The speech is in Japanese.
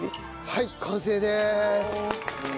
はい完成です。